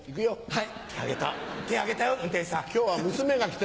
はい。